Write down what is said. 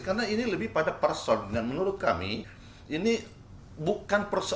karena ini lebih pada person dan menurut kami ini bukan person